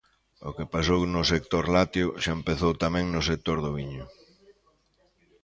O que pasou no sector lácteo xa empezou tamén no sector do viño.